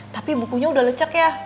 tapi bukunya udah lecek ya